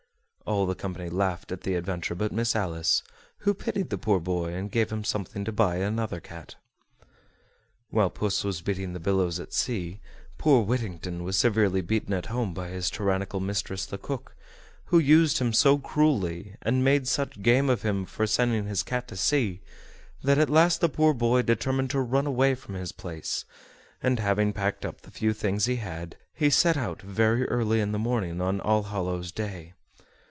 All the company laughed at the adventure but Miss Alice, who pitied the poor boy, and gave him something to buy another cat. While puss was beating the billows at sea, poor Whittington was severely beaten at home by his tyrannical mistress the cook, who used him so cruelly, and made such game of him for sending his cat to sea, that at last the poor boy determined to run away from his place, and having packed up the few things he had, he set out very early in the morning on All Hallows day.